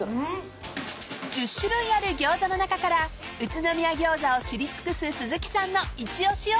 ［１０種類あるギョーザの中から宇都宮餃子を知り尽くす鈴木さんの一押しを］